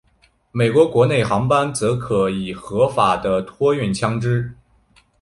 美国国内航班则可以合法的托运枪支。